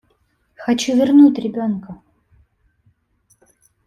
Хочу вернуть ребенка.